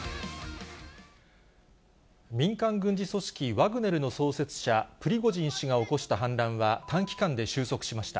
民間軍事組織ワグネルの創設者、プリゴジン氏が起こした反乱は短期間で収束しました。